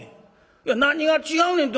「いや何が違うねんって